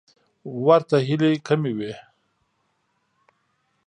ورته هیلې کمې وې.